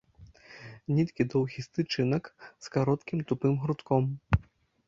Ніткі доўгіх тычынак з кароткім тупым грудком.